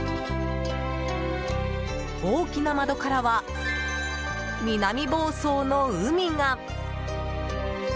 大きな窓からは南房総の海が。